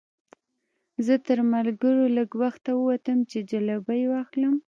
زه تر ملګرو لږ وخته ووتم چې جلبۍ واخلم.